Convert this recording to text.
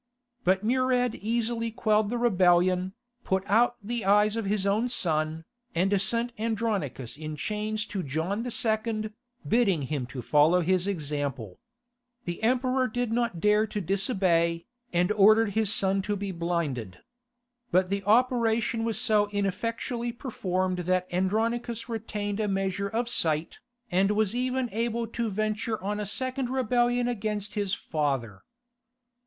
But Murad easily quelled the rebellion, put out the eyes of his own son, and sent Andronicus in chains to John II., bidding him to follow his example. The Emperor did not dare to disobey, and ordered his son to be blinded. But the operation was so ineffectually performed that Andronicus retained a measure of sight, and was even able to venture on a second rebellion against his father.